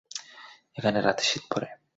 এখানে রাতে শীত পরে।